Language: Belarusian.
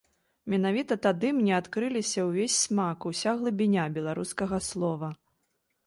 Менавіта тады мне адкрыліся ўвесь смак, уся глыбіня беларускага слова.